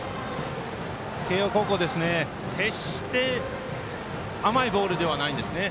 慶応高校、決して甘いボールではないんですね。